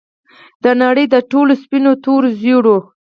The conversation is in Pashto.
د نړۍ د ټولو سپینو، تورو، زیړو